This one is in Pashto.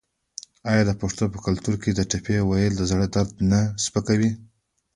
آیا د پښتنو په کلتور کې د ټپې ویل د زړه درد نه سپکوي؟